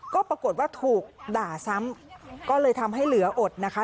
ก็ปรากฏว่าถูกด่าซ้ำก็เลยทำให้เหลืออดนะคะ